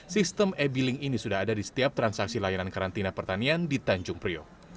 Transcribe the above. sistem e billing ini sudah ada di setiap transaksi layanan karantina pertanian di tanjung priok